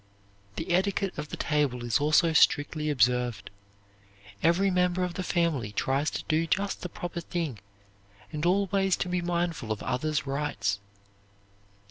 The etiquette of the table is also strictly observed. Every member of the family tries to do just the proper thing and always to be mindful of others' rights.